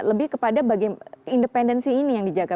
lebih kepada bagaimana independensi ini yang dijaga